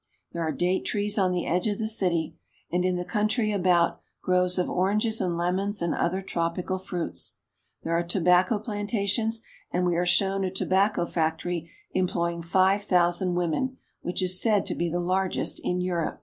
There are date trees on the edge of the city, and, in the country about, groves of oranges and lemons and other tropical fruits. There are tobacco plantations, and we are shown a tobacco factory employing five thousand women, which is said to be the largest in Europe.